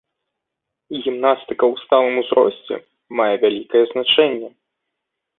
Гімнастыка ў сталым узросце мае вялікае значэнне.